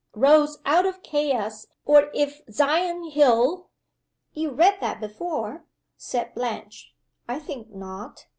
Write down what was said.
Rose out of Chaos or if Sion hill " "You read that before," said Blanche. "I think not."